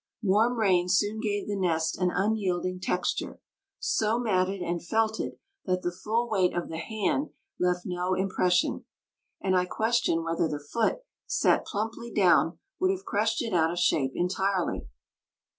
Warm rains soon gave the nest an unyielding texture; so matted and felted that the full weight of the hand left no impression, and I questioned whether the foot, set plumply down, would have crushed it out of shape entirely.